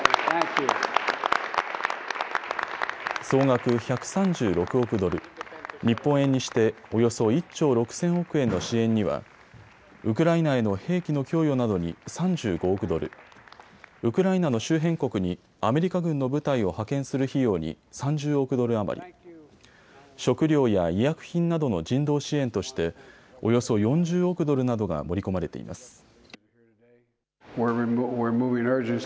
総額１３６億ドル、日本円にしておよそ１兆６０００億円の支援にはウクライナへの兵器の供与などに３５億ドル、ウクライナの周辺国にアメリカ軍の部隊を派遣する費用に３０億ドル余り、食料や医薬品などの人道支援としておよそ４０億ドルなどが盛り込まれています。